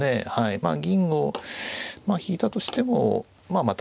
まあ銀を引いたとしてもまあまた